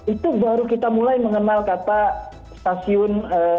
itu baru kita mulai mengenal kata stasiun